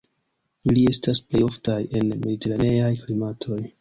Ili estas plej oftaj en mediteraneaj klimatoj.